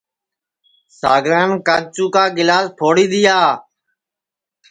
ساگران کاچُو کا گِلاس پھوڑی دؔیا